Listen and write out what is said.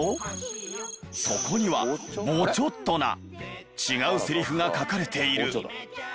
そこには「ボチョッとな」。違うセリフが書かれている。